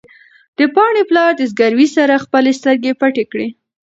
د پاڼې پلار د زګېروي سره خپلې سترګې پټې کړې.